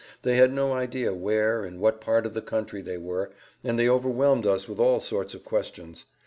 They had no idea where, in what part of the country they were, and they overwhelmed us with all sorts of questions.